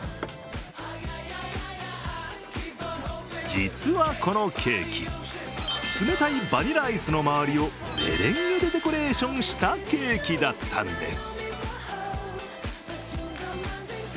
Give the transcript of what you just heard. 実はこのケーキ冷たいバニラアイスの周りをメレンゲでデコレーションしたケーキだったんです。